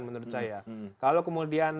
menurut saya kalau kemudian